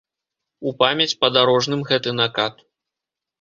У памяць падарожным гэты накат.